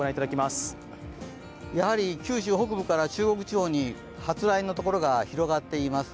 やはり九州北部から中国地方に発雷のところが広がっています。